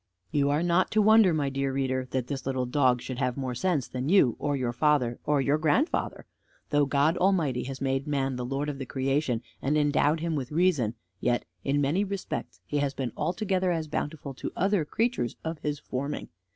You are not to wonder, my dear reader, that this little dog should have more sense than you, or your father, or your grandfather. Though God Almighty has made man the lord of the creation and endowed him with reason; yet in many respects he has been altogether as bountiful to other creatures of his forming.